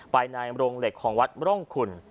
ไปในโรงเหล็กของวัดร่องคุณ